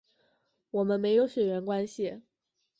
我们没有血缘关系